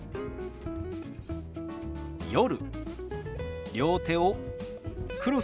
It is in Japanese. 「夜」。